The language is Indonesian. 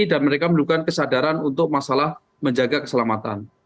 dan mereka memerlukan kesadaran untuk masalah menjaga keselamatan